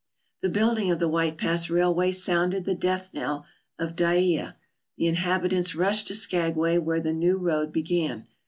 The building of the White Pass Railway sounded the death knell of Dyea. The inhabitants rushed to Skagway, where the new road began.